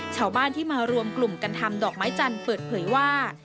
ชาวบ้านที่มารวมกลุ่มกันทำดอกไม้จันทร์เปิดเผยว่า